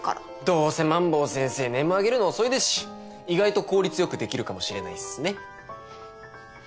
どうせ萬坊先生ネームあげるの遅いですし意外と効率よくできるかもしれないっすね。